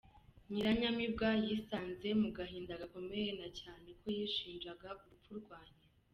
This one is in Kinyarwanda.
Nyiranyamibwa yisanze mu gahinda gakomeye na cyane ko yishinjaga urupfu rwa nyina.